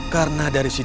karena dari situ